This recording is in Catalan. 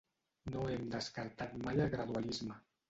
No hem descartat mai el gradualisme.